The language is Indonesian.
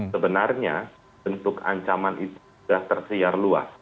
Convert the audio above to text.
sebenarnya bentuk ancaman itu sudah tersiar luas